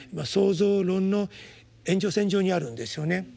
創造論の延長線上にあるんですよね。